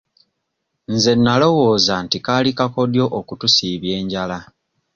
Nze nnalowooza nti kaali kakodyo okutusiibya enjala.